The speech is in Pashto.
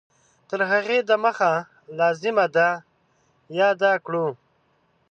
تر هغې د مخه لازمه ده یاده کړو